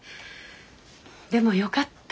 でもよかった